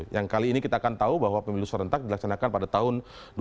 yang kali ini kita akan tahu bahwa pemilu serentak dilaksanakan pada tahun dua ribu sembilan belas